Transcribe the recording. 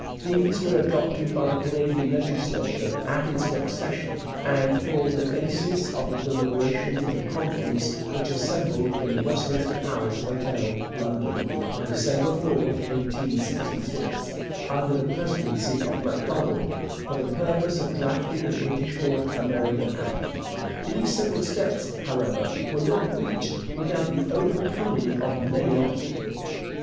These were adopted by the Canadian legislature at its next session, and formed the basis of the deliberations of the conference which assembled in the Westminster Palace Hotel, London, on December 4, 1866, under the presidency of Macdonald, for the purpose of drafting the British North America Act. These several steps, however, were not reached without the overcoming of many obstacles.